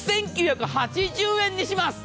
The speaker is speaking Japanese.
６９８０円にします。